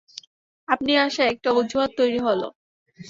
আপনি আসায় একটা অজুহাত তৈরি হল।